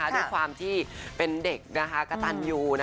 ด้วยความที่เป็นเด็กกระตันอยู่